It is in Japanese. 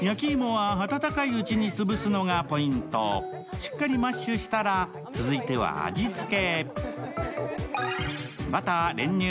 しっかりマッシュしたら続いては味付け。